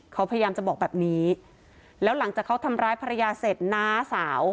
เขาพยายามจะบอกแบบนี้แล้วหลังจากเขาทำร้ายภรรยาเสร็จน้าสาว